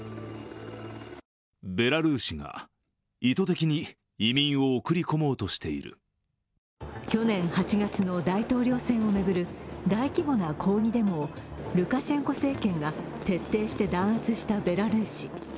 この移民急増についてＥＵは去年８月の大統領選を巡る大規模な抗議デモをルカシェンコ政権が徹底して弾圧したベラルーシ。